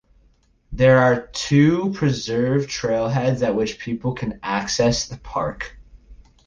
There are two preserve trailheads at which people can access the park.